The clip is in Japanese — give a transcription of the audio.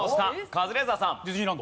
カズレーザーさん。